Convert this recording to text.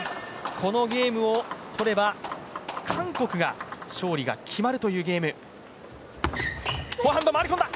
このゲームをとれば韓国が勝利が決まるというゲーム。